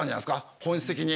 本質的に。